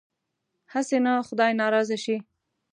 هسې نه خدای ناراضه شي.